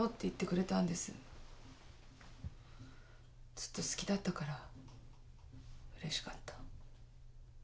ずっと好きだったから嬉しかった。